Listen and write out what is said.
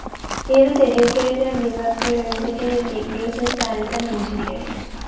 He was educated at Liverpool University with degrees in science and engineering.